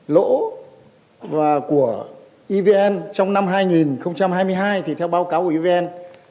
lỗ của evn trong năm hai nghìn hai mươi hai thì theo báo cáo của evn